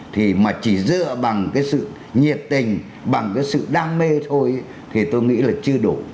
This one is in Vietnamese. thì mà chỉ dựa bằng cái sự nhiệt tình bằng cái sự đam mê thôi thì tôi nghĩ là chưa đủ